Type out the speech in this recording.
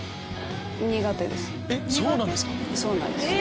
そうなんですか！